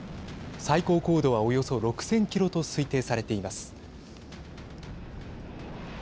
最高高度は、およそ６０００キロと推定されています。